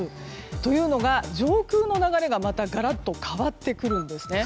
というのが、上空の流れがまたガラッと変わってくるんですね。